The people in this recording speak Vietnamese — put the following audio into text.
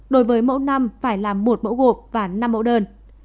đối với mẫu năm phải làm một mẫu gộp và năm mẫu đơn